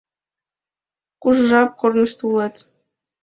— Кужу жап корнышто улат?